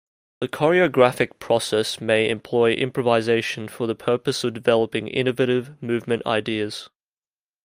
The choreograhic process may employ improvisation for the purpose of developing innovative movement ideas.